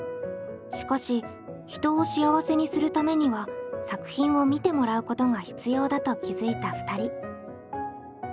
しかし人を幸せにするためには作品を見てもらうことが必要だと気付いた２人。